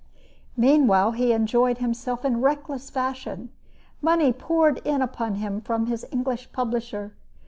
Meanwhile he enjoyed himself in reckless fashion. Money poured in upon him from his English publisher.